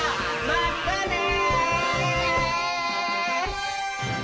またね！